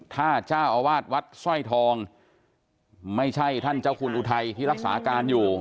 ถ้าเจ้าอาวาสวัดสร้อยทองไม่ใช่ท่านเจ้าคุณอุทัยที่รักษาการอยู่